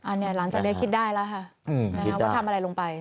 อันนี้หลังจากนี้คิดได้แล้วค่ะว่าทำอะไรลงไป